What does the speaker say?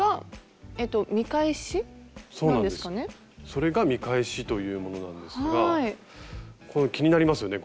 それが見返しというものなんですが気になりますよね